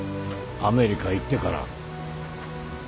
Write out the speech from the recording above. アメリカ行ってから。